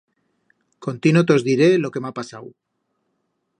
Contino tos diré lo que m'ha pasau.